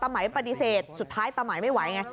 ไหมปฏิเสธสุดท้ายตะไหมไม่ไหวไง